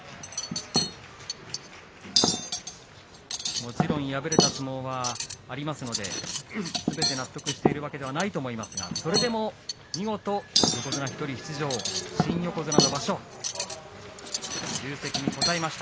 もちろん敗れた相撲はありますのですべて納得しているわけではないと思いますがそれでも見事新横綱の場所、重責に応えました。